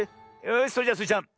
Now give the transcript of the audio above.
よしそれじゃスイちゃん